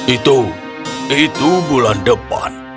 itu itu bulan depan